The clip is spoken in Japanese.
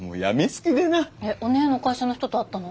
えっおねぇの会社の人と会ったの？